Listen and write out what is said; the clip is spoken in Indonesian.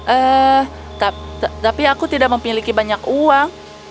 eh tapi aku tidak memiliki banyak uang